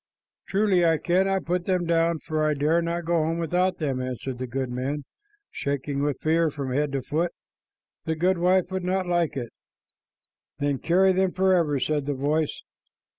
"Truly, I cannot put them down, for I dare not go home without them," answered the goodman, shaking with fear from head to foot. "The goodwife would not like it." "Then carry them forever," said the voice.